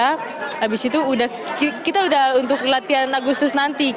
habis itu kita udah untuk latihan agustus nanti